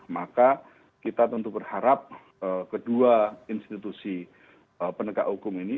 maka kita tentu berharap kedua institusi penegak hukum ini